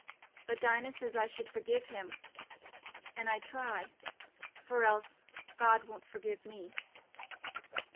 but Dinah says I should forgive him... and I try... for else God won't forgive me."